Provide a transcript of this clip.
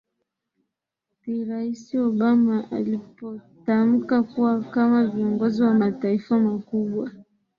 ti rais obama alipotamuka kuwa kama viongozi wa mataifa makubwa